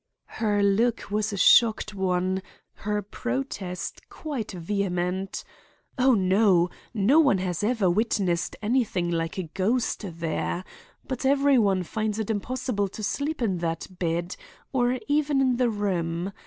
"Her look was a shocked one, her protest quite vehement. 'Oh, no! No one has ever witnessed anything like a ghost there, but every one finds it impossible to sleep in that bed or even in the room.